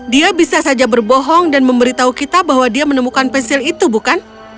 dia bisa saja berbohong dan memberitahu kita bahwa dia menemukan pensil itu bukan